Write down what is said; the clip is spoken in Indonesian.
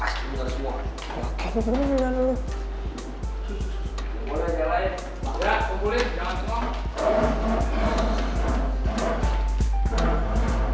pasti kita ada semua